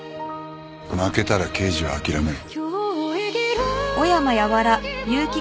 負けたら刑事は諦めろ。